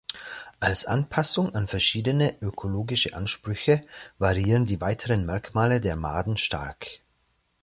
Als Anpassung an verschiedene ökologische Ansprüche variieren die weiteren Merkmale der Maden stark.